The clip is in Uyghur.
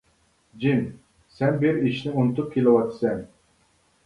-جىم، سەن بىر ئىشنى ئۇنتۇپ كېلىۋاتىسەن.